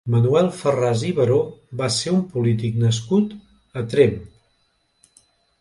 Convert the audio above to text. Manuel Farràs i Baró va ser un polític nascut a Tremp.